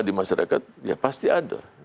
di masyarakat ya pasti ada